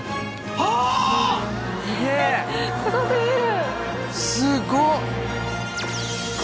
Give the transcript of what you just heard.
すご過ぎる。